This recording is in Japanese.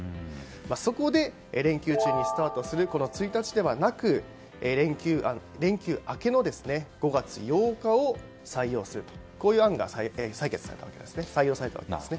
そこで、連休中にスタートする１日ではなく連休明けの５月８日をスタートとするという案が採用されたんですね。